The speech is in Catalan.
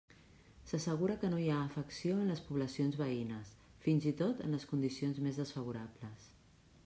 S'assegura que no hi ha afecció en les poblacions veïnes fins i tot en les condicions més desfavorables.